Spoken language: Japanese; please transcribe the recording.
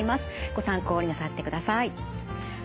ご参考になさってください。